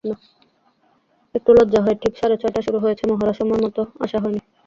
একটু লজ্জা হয়, ঠিক সাড়ে ছয়টায় শুরু হয়েছে মহড়া, সময়মতো আসা যায়নি।